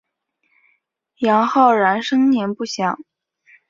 杨浩然生年不详。